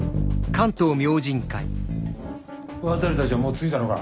渡たちはもう着いたのか？